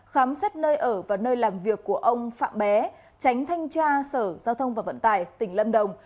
khám xét nơi ở và nơi làm việc của ông phạm bé tránh thanh tra sở giao thông và vận tải tỉnh lâm đồng